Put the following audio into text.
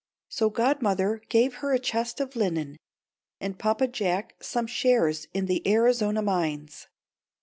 So godmother gave her a chest of linen, and Papa Jack some shares in the Arizona mines.